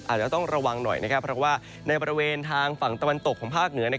อาจจะต้องระวังหน่อยนะครับเพราะว่าในบริเวณทางฝั่งตะวันตกของภาคเหนือ